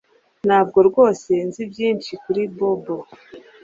Ntabwo rwose nzi byinshi kuri Bobo